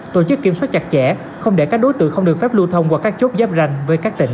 tổ chức kiểm soát chặt chẽ không để các đối tượng không được phép lưu thông qua các chốt giáp ranh với các tỉnh